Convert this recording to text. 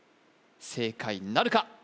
正解なるか？